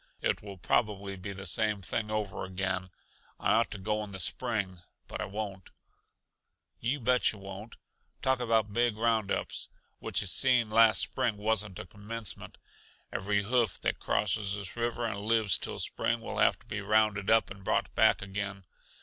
It will probably be the same thing over again; I ought to go in the spring, but I won't." "You bet you won't. Talk about big roundups! what yuh seen last spring wasn't a commencement. Every hoof that crosses this river and lives till spring will have to be rounded up and brought back again.